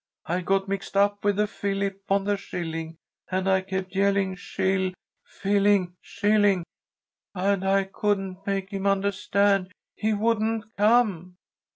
I got mixed up with the Philip on the shilling, and I kept yelling, Shill! Philling! Shilling! and I couldn't make him understand. He wouldn't come!"